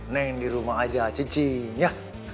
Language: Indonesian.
neng dirumah aja cincin ya